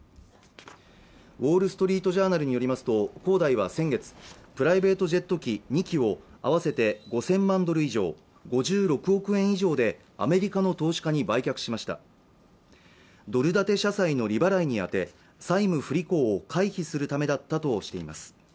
ウォール・ストリート・ジャーナルによりますと恒大は先月プライベートジェット機２機を合わせて５０００万ドル以上５６億円以上でアメリカの投資家に売却しましたドル建て社債の利払いに充て債務不履行を回避するためだったとしています